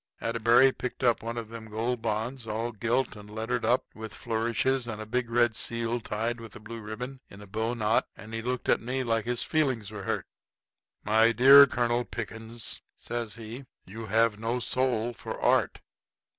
Atterbury picked up one of them Gold Bonds, all gilt and lettered up with flourishes and a big red seal tied with a blue ribbon in a bowknot, and he looked at me like his feelings was hurt. "My dear Colonel Pickens," says he, "you have no soul for Art.